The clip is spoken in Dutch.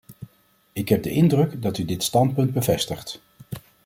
Ik heb de indruk dat u dit standpunt bevestigt.